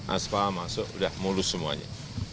aspa masuk udah mulus semuanya